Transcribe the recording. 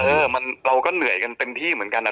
เราก็เหนื่อยกันเต็มที่เหมือนกันนะ